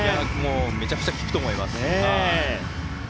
めちゃくちゃ効くと思います。